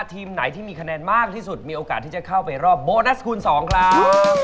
ทีมไหนที่มีคะแนนมากที่สุดมีโอกาสที่จะเข้าไปรอบโบนัสคูณ๒ครับ